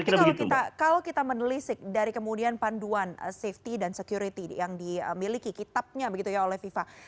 tapi kalau kita menelisik dari kemudian panduan safety dan security yang dimiliki kitabnya begitu ya oleh fifa